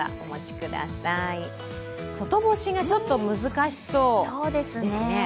外干しがちょっと難しそうですね。